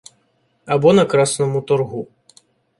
Або на красному торгу